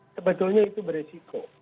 sebetulnya itu beresiko